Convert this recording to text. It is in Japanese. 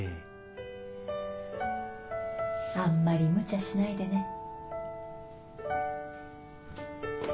あんまりむちゃしないでね。